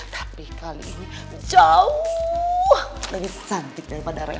tapi kali ini jauh lagi cantik daripada reva